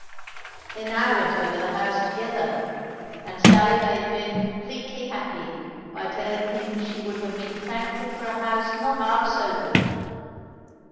They now went over the house together; and Sally made Ben completely happy by telling him she would have been thankful for a house not half so good.